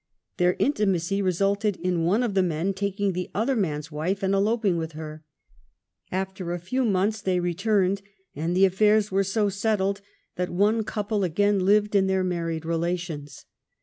Their intimacy resulted in one of the men taking the other man's wife and eloping with her. After a few months they returned and the aftairs were so settled that one couple again lived in their married relations.